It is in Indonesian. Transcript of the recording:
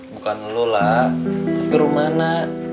bukan elu lah tapi rum mana